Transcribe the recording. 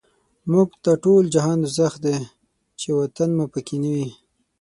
موږ ته ټول جهان دوزخ دی، چی وطن مو په کی نه وی